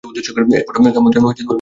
এক ফোঁটা ঘামও যেন না বের হয়, বুঝেছো?